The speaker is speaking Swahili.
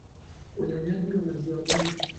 Unyonyaji wa maziwa mengi